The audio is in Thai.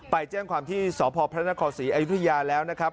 ไปแจ้งความที่สพภศอยแล้วนะครับ